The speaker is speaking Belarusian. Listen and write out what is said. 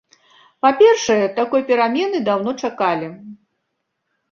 Па-першае, такой перамены даўно чакалі.